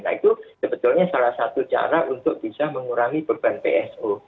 nah itu sebetulnya salah satu cara untuk bisa mengurangi beban pso